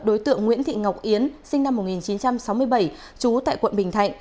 đối tượng nguyễn thị ngọc yến sinh năm một nghìn chín trăm sáu mươi bảy trú tại quận bình thạnh